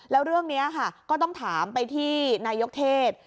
แล้วเรื่องนี้ค่ะก็ต้องถามไปที่นายกเทศ